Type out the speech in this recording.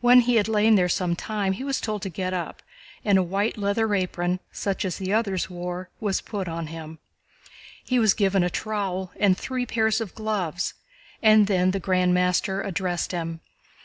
When he had lain there some time, he was told to get up, and a white leather apron, such as the others wore, was put on him: he was given a trowel and three pairs of gloves, and then the Grand Master addressed him.